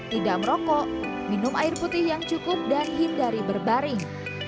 tidak merokok minum air putih yang cukup dan hindari berbaring